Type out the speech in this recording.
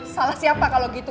salah siapa kalau gitu